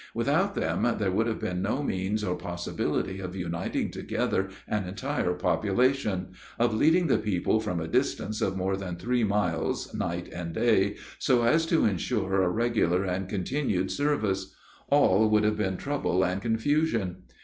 Without them, there would have been no means or possibility of uniting together an entire population; of leading the people from a distance of more than three miles, night and day, so as to insure a regular and continued service; all would have been trouble and confusion.